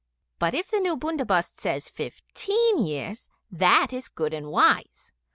But if the new bundobust says for fifteen years, that is good and wise.